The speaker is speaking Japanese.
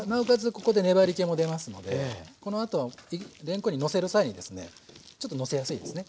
ここで粘りけも出ますのでこのあとれんこんにのせる際にですねちょっとのせやすいですね